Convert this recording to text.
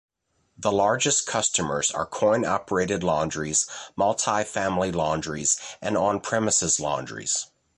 The largest customers are coin-operated laundries, multi-family laundries, and on-premises laundries.